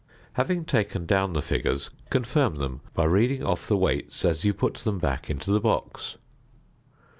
Having taken down the figures, confirm them by reading off the weights as you put them back into the box.